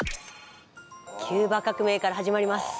キューバ革命から始まります。